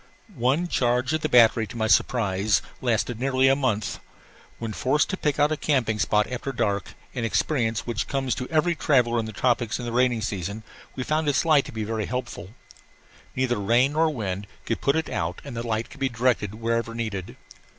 One charge of battery, to my surprise, lasted nearly a month. When forced to pick out a camping spot after dark, an experience which comes to every traveller in the tropics in the rainy season, we found its light very helpful. Neither rain nor wind could put it out and the light could be directed wherever needed.